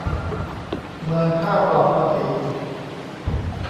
เมืองท่าปลอดภาษี